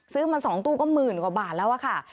ซื้อมา๒ตู้ก็หมื่นกว่าบาทแล้วอะค่ะ